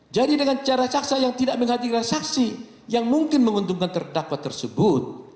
jadi dengan cara saksa yang tidak menghadirkan saksi yang mungkin menguntungkan terdakwa tersebut